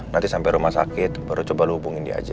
nanti sampai rumah sakit baru coba luhubungin dia aja